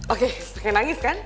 oke pake nangis kan